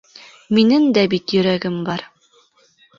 Минең дә бит йөрәгем бар...